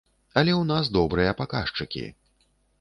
Але ў нас добрыя паказчыкі.